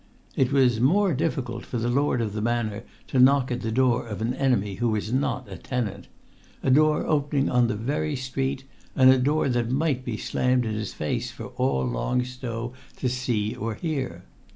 It was more difficult for the lord of the manor to knock at the door of an enemy who was not a tenant—a door opening on the very street, and a door that might be slammed in his face for all Long Stow to see or hear.